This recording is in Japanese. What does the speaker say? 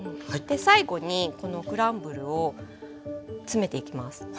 最後にこのクランブルを詰めていきます。